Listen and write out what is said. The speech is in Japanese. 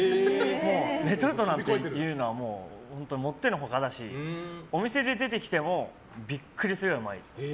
レトルトなんていうのはもっての外だしお店で出てきてもビックリするぐらいうまい。